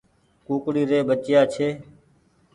ڪوڪڙي ري ٻچيآ ڇي۔